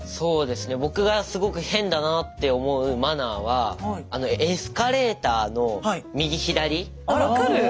僕がすごく変だなあって思うマナーは分かる！